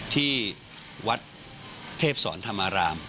ที่วัดเทพศรธรรมาราม